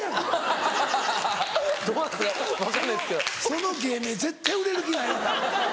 その芸名絶対売れる気ないよな。